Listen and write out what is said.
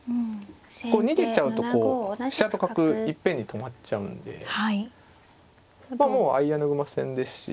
これ逃げちゃうとこう飛車と角いっぺんに止まっちゃうんでもう相穴熊戦ですし。